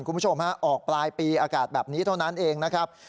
คุณผู้ชมฮะออกปลายปีอากาศแบบนี้เท่านั้นเองนะครับ